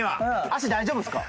足大丈夫ですか？